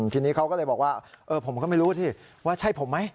ทีนี้เขาก็เลยบอกว่าผมก็ไม่รู้สิว่าใช่ผมไหม